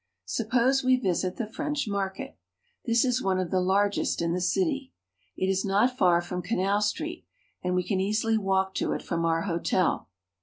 Suppose we visit the French market. This is one of the largest in the city. It is not far from Canal Street, and we can easily walk to it from our hotel.